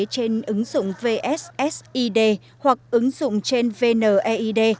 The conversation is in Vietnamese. trên ứng dụng vssid hoặc ứng dụng trên vneid